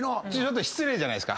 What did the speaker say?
失礼じゃないですか。